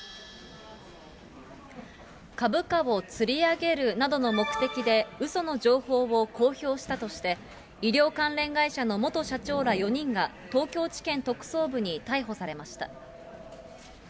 株価をつり上げるなどの目的で、うその情報を公表したとして、医療関連会社の元社長ら４人が東京地検特捜部に逮捕されました。